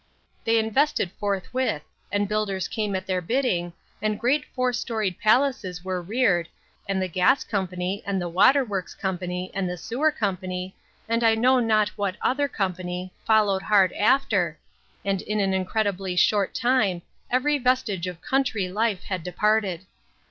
They invested forthwith, and builders came at their bidding, and great four storied palaces were reared, and the gas company, and the water works company and the sewer company, and I know not 20 PLANTS THAT HAD BLOSSOMED. what other company, followed hard after, and in an incredibly short time every vestige of country life had departed.